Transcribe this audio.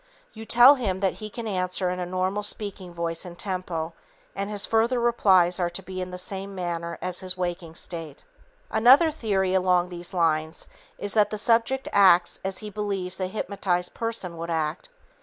You tell him that he can answer in a normal speaking voice and tempo and his further replies are to be in the same manner as his waking state. Another theory along these lines is that the subject acts as he believes a hypnotized person would act.